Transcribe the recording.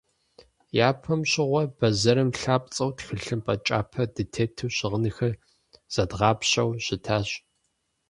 Япэм щыгъуэ бэзэрым лъапцӏэу тхылъымпӏэ кӏапэ дытету щыгъынхэр зэдгъапщэу щытащ.